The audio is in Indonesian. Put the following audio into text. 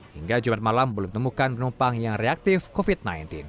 hingga jumat malam belum temukan penumpang yang reaktif covid sembilan belas